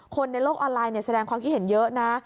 ในโลกออนไลน์แสดงความคิดเห็นเยอะนะ